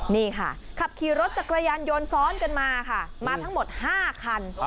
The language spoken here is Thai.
นี่ค่ะขับขี่รถจักรยานยนต์ซ้อนกันมาค่ะมาทั้งหมด๕คัน